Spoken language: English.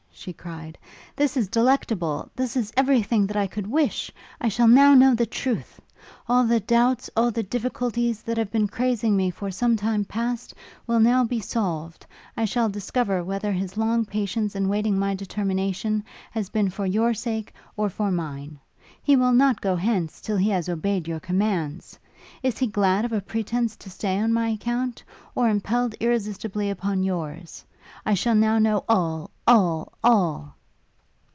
she cried, 'this is delectable! this is every thing that I could wish! I shall now know the truth! All the doubts, all the difficulties, that have been crazing me for some time past, will now be solved: I shall discover whether his long patience in waiting my determination, has been for your sake, or for mine. He will not go hence, till he has obeyed your commands! Is he glad of a pretence to stay on my account? or impelled irresistibly upon yours? I shall now know all, all, all!'